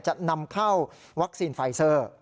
จะนำเข้าวัคซีนไฟเซอร์